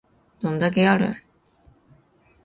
どんだけやるん